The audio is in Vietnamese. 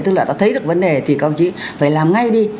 tức là đã thấy được vấn đề thì các đồng chí phải làm ngay đi